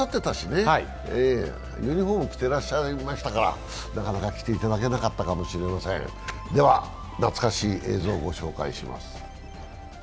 ユニフォーム、着てらっしゃいましたから、なかなか来ていただけなかったかもしれませんでは懐かしい映像をご紹介します。